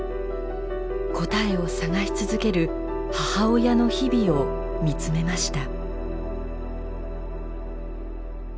答えを探し続ける母親の日々を見つめました。